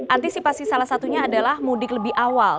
antisipasi salah satunya adalah mudik lebih awal